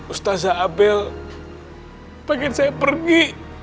ustazah abel pengen saya pergi